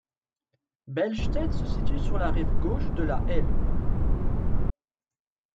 Bellstedt se situe sur la rive gauche de la Helbe.